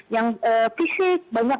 yang fisik banyak